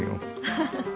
ハハハ。